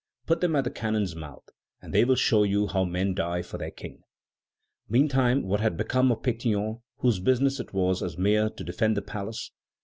Put them at the cannon's mouth, and they will show you how men die for their King." Meantime what had become of Pétion, whose business it was, as mayor, to defend the palace?